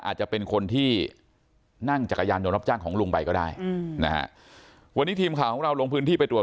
อาจจะเป็นคนที่นั่งจักรยานโดนรับจ้างของลุงไปก็ได้